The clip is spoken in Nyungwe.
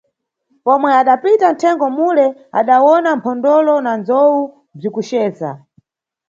Pomwe adapita nʼthengo mule, adawona mphondolo na ndzowu bzikuceza.